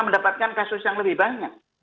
mendapatkan kasus yang lebih banyak